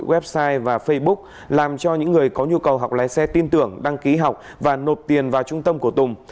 website và facebook làm cho những người có nhu cầu học lái xe tin tưởng đăng ký học và nộp tiền vào trung tâm của tùng